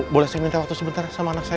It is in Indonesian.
boleh saya minta waktu sebentar sama anak saya